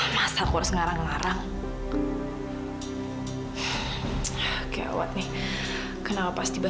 baca dulu dengan teliti ya